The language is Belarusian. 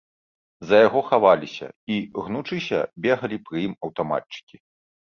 За яго хаваліся і, гнучыся, бегалі пры ім аўтаматчыкі.